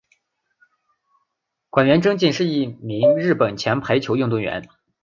菅原贞敬是一名日本前排球运动员。